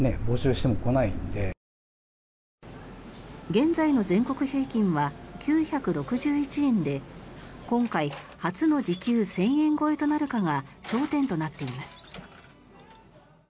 現在の全国平均は９６１円で今回、初の時給１０００円超えとなるかが焦点となっています。